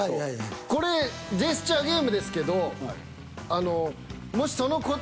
これジェスチャーゲームですけどあの。